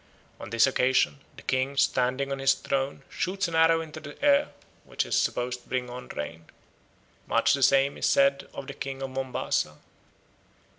On this occasion the king, standing on his throne, shoots an arrow into the air, which is supposed to bring on rain. Much the same is said of the king of Mombasa.